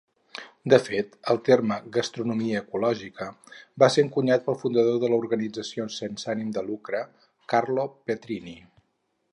De fet, el terme 'gastronomia ecològica' va ser encunyat pel fundador de l'organització sense ànim de lucre, Carlo Petrini.